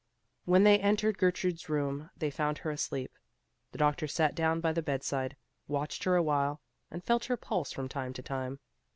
When they entered Gertrude's room they found her asleep. The doctor sat down by the bedside, watched her awhile, and felt her pulse from time to time.